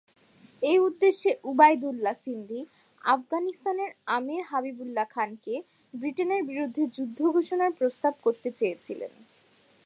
এ উদ্দেশ্যে উবাইদুল্লাহ সিন্ধি আফগানিস্তানের আমির হাবিবুল্লাহ খানকে ব্রিটেনের বিরুদ্ধে যুদ্ধ ঘোষণার জন্য প্রস্তাব করতে চেয়েছিলেন।